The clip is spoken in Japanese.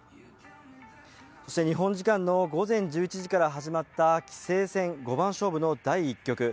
そして日本時間の午前１１時から始まった棋聖戦五番勝負の第１局。